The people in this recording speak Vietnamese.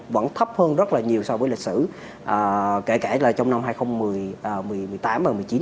vẫn thấp hơn rất là nhiều so với lịch sử kể cả là trong năm hai nghìn một mươi tám và một mươi chín